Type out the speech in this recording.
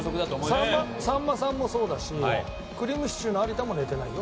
さんまさんもそうだしくりぃむしちゅーの有田も寝てないよ。